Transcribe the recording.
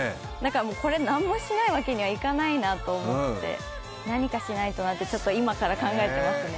これ何もしないわけにはいかないなと思って、何かしないとなと、今から考えていますね。